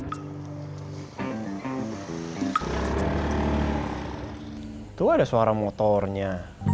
itu ada suara motornya